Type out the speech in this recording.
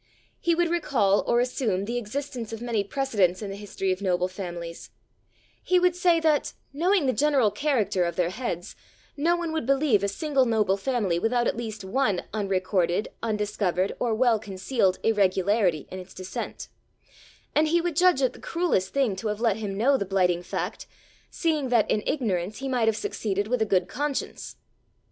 He would recall or assume the existence of many precedents in the history of noble families; he would say that, knowing the general character of their heads, no one would believe a single noble family without at least one unrecorded, undiscovered, or well concealed irregularity in its descent; and he would judge it the cruellest thing to have let him know the blighting fact, seeing that in ignorance he might have succeeded with a good conscience.